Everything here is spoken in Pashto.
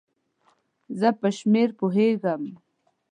زه په شمېر پوهیږم